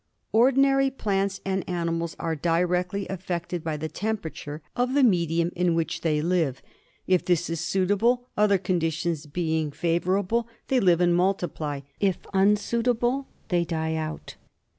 Ordinary plants and animals are directly affected by the temperature of the medium in which they live. If this is suitable, other conditions being favourable, they live and multiply; if unsuitable, they die out.